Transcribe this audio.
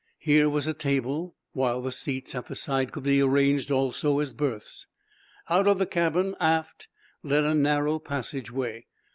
Here was a table, while the seats at the side could be arranged also as berths. Out of the cabin, aft, led a narrow passageway.